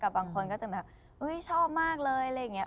บางคนก็จะแบบชอบมากเลยอะไรอย่างนี้